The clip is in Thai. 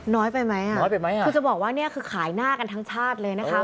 น้อยไปไหมอ่ะน้อยไปไหมอ่ะคือจะบอกว่าเนี่ยคือขายหน้ากันทั้งชาติเลยนะคะ